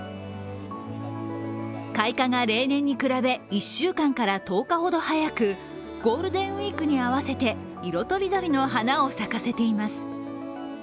開花が例年に比べ１週間から１０日ほど早くゴールデンウイークに合わせて色とりどりの花を咲かせています。